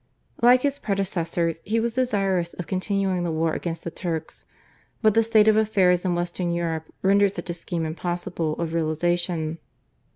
Like his predecessors he was desirous of continuing the war against the Turks, but the state of affairs in western Europe rendered such a scheme impossible of realisation.